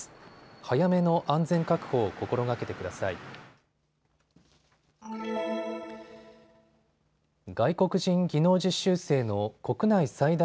早めの安全確保を心がけてください。